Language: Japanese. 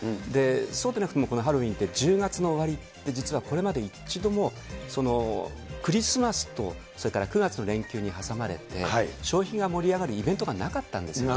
そうでなくてもハロウィーンって１０月の終わりって、実はこれまで一度もクリスマスとそれから９月の連休に挟まれて、消費が盛り上がるイベントがなかったんですね。